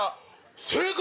正解！